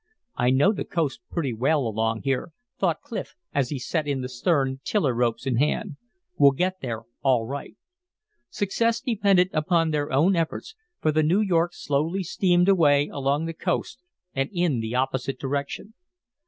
"I know the coast pretty well along here," thought Clif, as he set in the stern, tiller ropes in hand. "We'll get there all right." Success depended upon their own efforts, for the New York slowly steamed away along the coast and in the opposite direction.